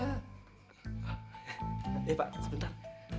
nih pak sebentar